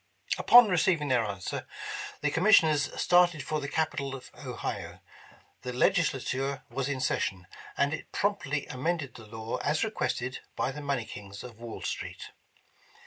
Upon receiving theii* answer, the commissioners started for the Capital of Ohio. The Legislature was in session, and it promptly amended the law as re quested by the money kings of "Wall Street.